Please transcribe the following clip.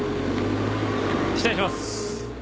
失礼します。